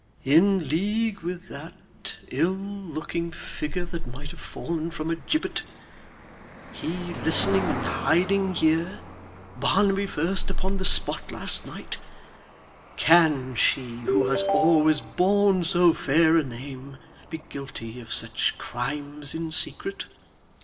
'In league with that ill looking figure that might have fallen from a gibbet he listening and hiding here Barnaby first upon the spot last night can she who has always borne so fair a name be guilty of such crimes in secret!